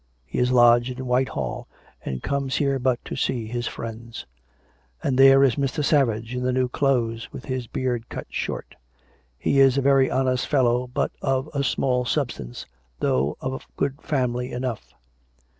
He is lodged in Whitehall, and comes here but to see his friends. And there is Mr. Savage, in the new clothes, with his beard cut short. He is a very honest fel low, but of a small substance, though of good family enough."